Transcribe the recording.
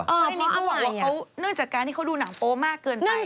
อันนี้เขาบอกว่าเขาเนื่องจากการที่เขาดูหนังโป๊มากเกินไป